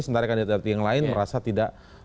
sementara kandidat yang lain merasa tidak